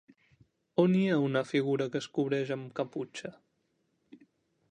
On hi ha una figura que es cobreix amb caputxa?